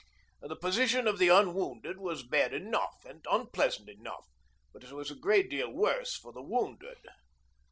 The position of the unwounded was bad enough and unpleasant enough, but it was a great deal worse for the wounded.